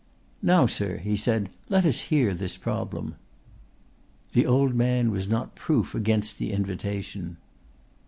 "Now, sir," he said, "let us hear this problem." The old man was not proof against the invitation.